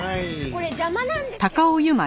これ邪魔なんですけど！